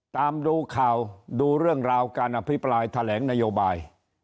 ดูข่าวดูเรื่องราวการอภิปรายแถลงนโยบาย